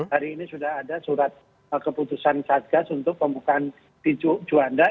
hari ini sudah ada surat keputusan satgas untuk pembukaan di juanda